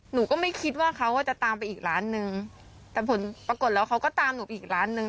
หนูก็ไม่คิดว่าเขาจะตามไปอีกร้านนึงแต่ผลปรากฏแล้วเขาก็ตามหนูไปอีกร้านนึง